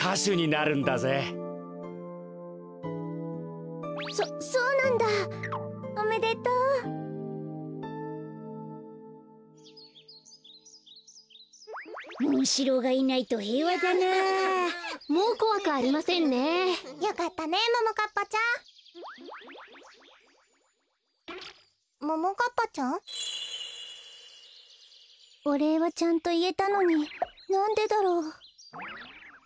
こころのこえおれいはちゃんといえたのになんでだろう？